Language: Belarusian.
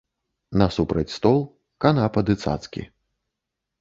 Насупраць стол, канапа ды цацкі.